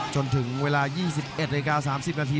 จนถึงเวลา๒๑นาที๓๐นาที